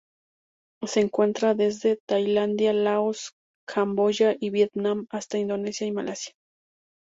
Se encuentra desde Tailandia, Laos, Camboya y Vietnam hasta Indonesia y Malasia.